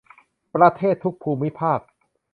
ประเทศทุกภูมิภาค